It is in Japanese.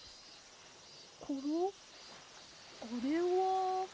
コロあれは？